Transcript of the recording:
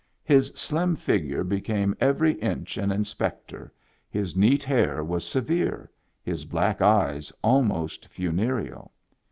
His slim figure became every inch an inspector, his neat hair was severe, his black eyes almost funereal.